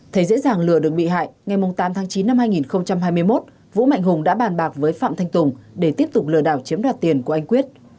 thấy dễ dàng lừa được bị hại ngày tám tháng chín năm hai nghìn hai mươi một vũ mạnh hùng đã bàn bạc với phạm thanh tùng để tiếp tục lừa đảo chiếm đoạt tiền của anh quyết